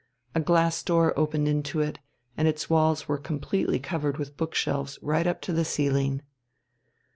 A glass door opened into it, and its walls were completely covered with bookshelves right up to the ceiling.